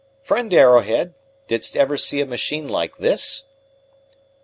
Friend Arrowhead, didst ever see a machine like this?"